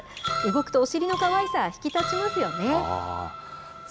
動くとお尻のかわいさ、引き立ちますよね。